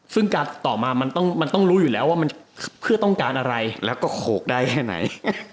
ซึ่งการต่อมามันต้องรู้อยู่แล้วว่ามันเพื่อต้องการอะไรแล้วก็โขกได้แค่ไหน